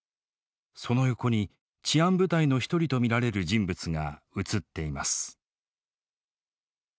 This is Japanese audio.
その横に治安部隊の一人と見られる人物が映っています。